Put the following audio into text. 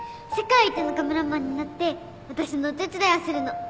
世界一のカメラマンになって私のお手伝いをするの。